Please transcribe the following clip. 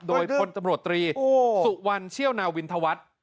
โดยพลตำรวจตรีสุวรรณเชี่ยวนาวินธวัฒน์